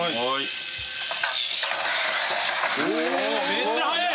めっちゃ速え！